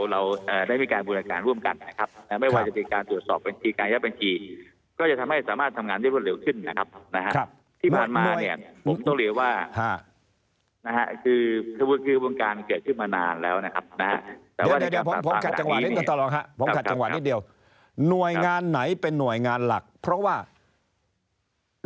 และหลวบถึงในส่วนของการยูทัมฯตั้งแต่อายาการและทาง